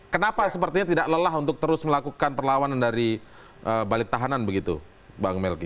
kenapa sepertinya tidak lelah untuk terus melakukan perlawanan dari balik tahanan begitu bang melki